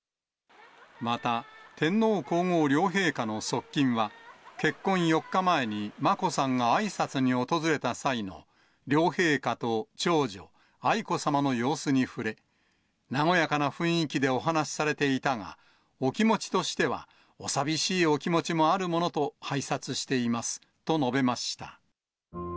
また、天皇皇后両陛下の側近は、結婚４日前に眞子さんがあいさつに訪れた際の両陛下と長女、愛子さまの様子に触れ、和やかな雰囲気でお話しされていたが、お気持ちとしては、お寂しいお気持ちもあるものと拝察していますと述べました。